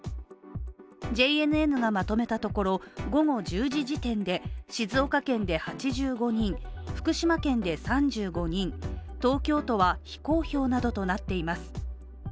ＪＮＮがまとめたところ、午後１０時時点で静岡県で８５人福島県で３５人、東京都は非公表などとなっています。